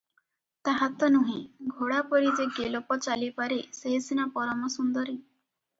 ତାହା ତ ନୁହେଁ, ଘୋଡ଼ାପରି ଯେ 'ଗେଲପ ଚାଲିପାରେ, ସେହି ସିନା ପରମ ସୁନ୍ଦରୀ!